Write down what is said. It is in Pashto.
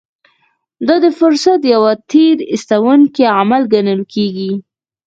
دا د فرصت يو تېر ايستونکی عمل ګڼل کېږي.